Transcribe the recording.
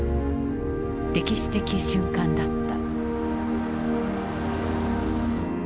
歴史的瞬間だった。